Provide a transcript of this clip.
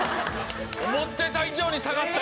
思ってた以上に下がった！